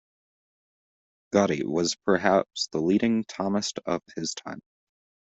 Gotti was perhaps the leading Thomist of his time.